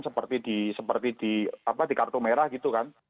seperti di kartu merah gitu kan